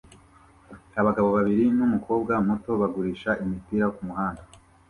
Abagabo babiri numukobwa muto bagurisha imipira kumuhanda